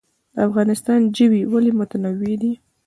د افغانستان ژوي ولې متنوع دي؟